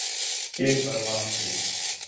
کیک پرواہ ہتھے